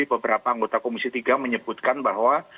beberapa anggota komisi tiga menyebutkan bahwa